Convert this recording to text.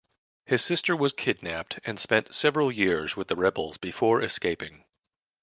His sister was kidnapped and spent several years with the rebels before escaping.